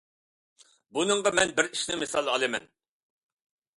بۇنىڭغا مەن بىر ئىشنى مىسال ئالىمەن.